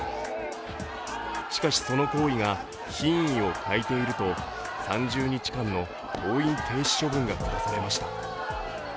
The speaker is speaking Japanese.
しかし、その行為が品位を欠いていると３０日間の登院停止処分がくだされました。